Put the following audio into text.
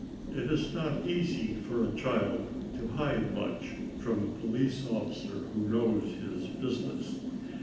It is not easy for a child to hide much from a police officer who knows his business.